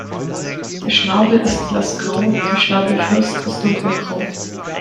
Der Schnabel ist blassgrau, der Schnabelfirst ist dunkelgrau.